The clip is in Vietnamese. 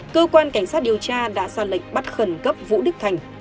cơ quan cảnh sát điều tra đã ra lệnh bắt khẩn cấp vũ đức thành